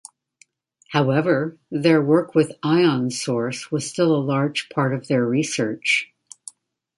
However, their work with ion-source was still a large part of their research.